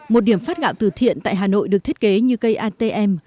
một điểm phát gạo từ thiện tại hà nội được thiết kế như cây atm